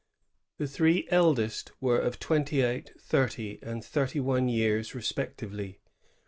The three eldest were of twenty eight, thirty, and thirty one years respectively.